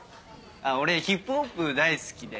俺ヒップホップ大好きで。